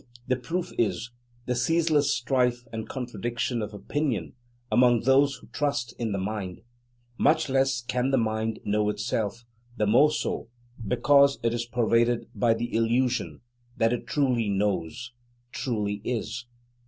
The proof is, the ceaseless strife and contradiction of opinion among those who trust in the mind. Much less can the "mind" know itself, the more so, because it is pervaded by the illusion that it truly knows, truly is.